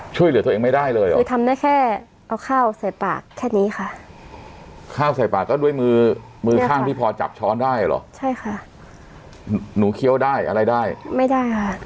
ใช่มือมือข้างพี่พอจับช้อนได้หรอใช่ค่ะหนูเคี้ยวได้อะไรได้ไม่ได้ค่ะ